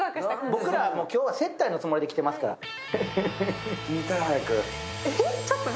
僕ら、今日は接待のつもりで来てますから。